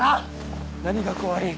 何が怖い？